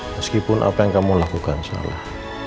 meskipun apa yang kamu lakukan salah